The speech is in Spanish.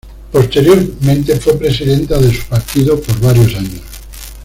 Posteriormente fue presidenta de su partido por varios años.